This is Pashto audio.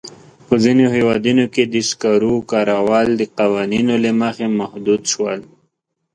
په ځینو هېوادونو کې د سکرو کارول د قوانینو له مخې محدود شوي.